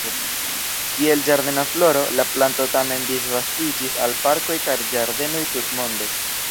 Kiel ĝardena floro, la planto tamen disvastiĝis al parkoj kaj ĝardenoj tutmonde.